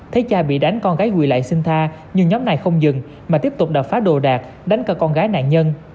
thấy cha bị đánh con gái quỳ lại sinh tha nhưng nhóm này không dừng mà tiếp tục đập phá đồ đạc đánh cơ con gái nạn nhân